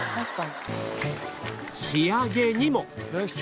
仕上げにも